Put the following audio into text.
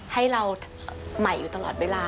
ให้เราใหม่อยู่ตลอดเวลา